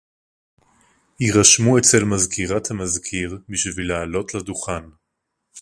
יירשמו אצל מזכירת המזכיר בשביל לעלות לדוכן